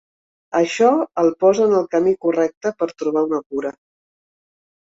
Això el posa en el camí correcte per trobar una cura.